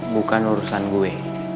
bukan urusan gue